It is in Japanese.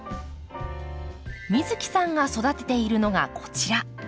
美月さんが育てているのがこちら。